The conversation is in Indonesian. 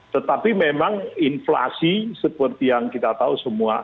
tetapi memang inflasi seperti yang kita tahu semua